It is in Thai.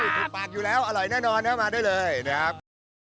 ถูกปากอยู่แล้วอร่อยแน่นอนนะมาได้เลยนะครับ